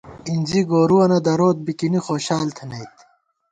اِنزی گورُوَنہ دروت، بِکِنی خوشال تھنَئیت